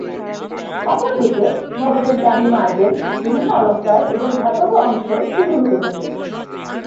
অপরদিকে ভবনের দামী মার্বেল, বিভিন্ন অলংকার এবং ধাতব অংশ চুরি হতে থাকে।